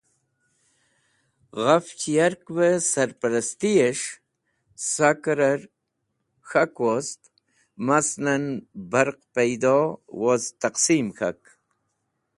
Ghafch Yarkve Sarparastiy es̃h Sakor er K̃hak wost, maslan Barq paido woz taqsim k̃hak.